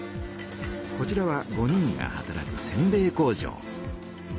こちらは５人が働くせんべい工場。